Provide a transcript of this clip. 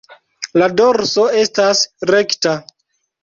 La dorso estas rekta.